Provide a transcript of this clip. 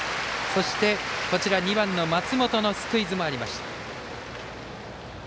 そして、２番の松本のスクイズもありました。